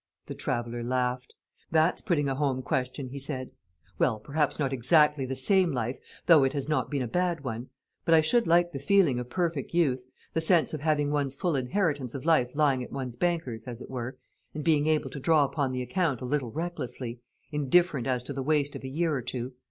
The traveller laughed. "That's putting a home question," he said. "Well, perhaps not exactly the same life, though it has not been a bad one. But I should like the feeling of perfect youth, the sense of having one's full inheritance of life lying at one's banker's, as it were, and being able to draw upon the account a little recklessly, indifferent as to the waste of a year or two.